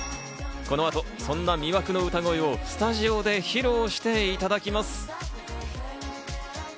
この後、そんな魅惑の歌声をスタジオで披露していただきます。